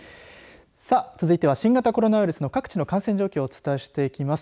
さあ、続いては新型コロナウイルスの各地の感染状況をお伝えしていきます。